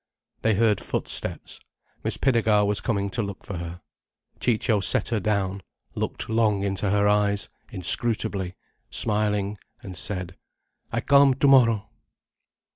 They heard footsteps. Miss Pinnegar was coming to look for her. Ciccio set her down, looked long into her eyes, inscrutably, smiling, and said: "I come tomorrow."